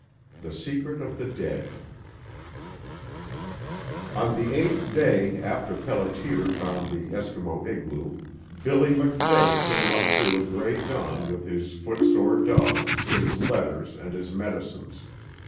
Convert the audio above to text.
IX THE SECRET OF THE DEAD On the eighth day after Pelliter found the Eskimo igloo Billy MacVeigh came up through a gray dawn with his footsore dogs, his letters, and his medicines.